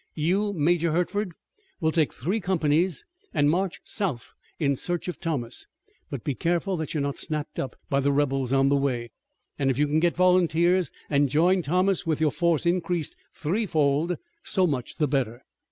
You, Major Hertford, will take three companies and march south in search of Thomas, but be careful that you are not snapped up by the rebels on the way. And if you can get volunteers and join Thomas with your force increased threefold, so much the better."